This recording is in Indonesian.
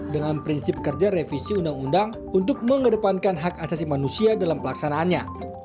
dengan prinsip kerja revisi undang undang untuk mengedepankan hak asasi manusia dalam pelaksanaannya